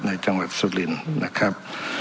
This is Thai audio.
ในจังหวัดสุรินนะครับ